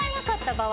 場合